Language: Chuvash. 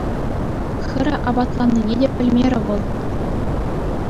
Хӗрӗ аппатланнине те пӗлмерӗ вӑл.